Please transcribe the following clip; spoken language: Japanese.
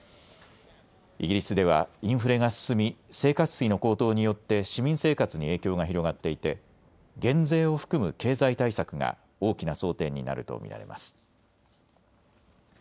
イギリスではインフレが進み生活費の高騰によって市民生活に影響が広がっていて減税を含む経済対策が大きな争点になると見られます。